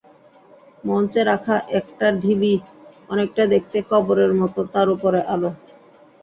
মঞ্চে রাখা একটা ঢিবি, অনেকটা দেখতে কবরের মতো তার ওপরে আলো।